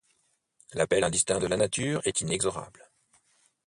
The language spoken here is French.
L’appel indistinct de la nature est inexorable.